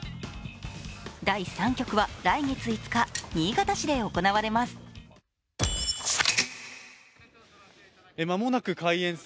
第３局は来月５日新潟市で行われます。